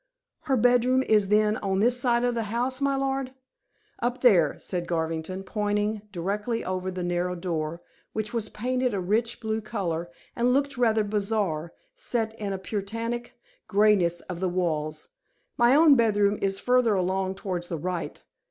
"Her bedroom is then on this side of the house, my lord?" "Up there," said Garvington, pointing directly over the narrow door, which was painted a rich blue color, and looked rather bizarre, set in the puritanic greyness of the walls. "My own bedroom is further along towards the right.